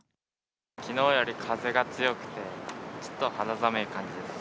きのうより風が強くて、ちょっと肌寒い感じです。